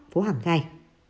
phố hàng ngài